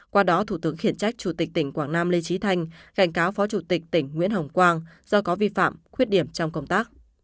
qua đó thủ tướng khiển trách chủ tịch tỉnh quảng nam lê trí thanh cảnh cáo phó chủ tịch tỉnh nguyễn hồng quang do có vi phạm khuyết điểm trong công tác